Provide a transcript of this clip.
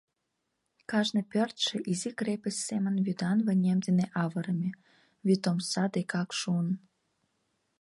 Кажне пӧртшӧ изи крепость семын вӱдан вынем дене авырыме, вӱд омса декак шуын.